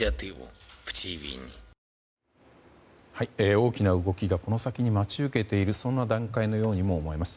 大きな動きがこの先に待ち受けているそんな段階のようにも思えます。